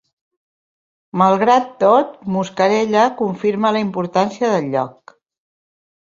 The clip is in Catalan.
Malgrat tot, Muscarella confirma la importància del lloc.